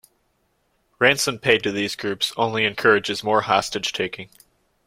Ransom paid to these groups only encourages more hostage taking.